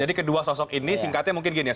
jadi kedua sosok ini singkatnya mungkin gini ya